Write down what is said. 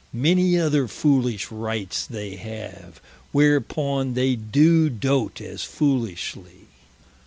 Many other foolish Rites they have, whereupon they doe dote as foolishly.